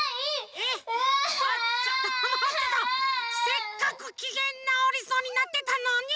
せっかくきげんなおりそうになってたのに！